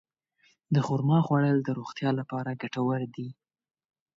د خرما خوړل د روغتیا لپاره ګټور دي.